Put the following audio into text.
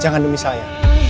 jangan demi saya